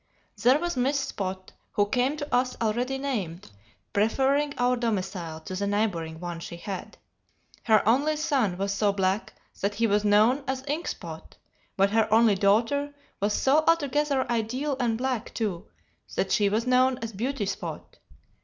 There was Miss Spot who came to us already named, preferring our domicile to the neighboring one she had. Her only son was so black that he was known as Ink Spot, but her only daughter was so altogether ideal and black, too, that she was known as Beauty Spot.